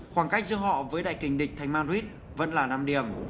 khoảng cách giữa họ với đại kinh địch thành madrid vẫn là năm điểm